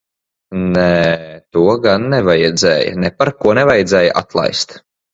Nē, to gan nevajadzēja. Neparko nevajadzēja atlaist.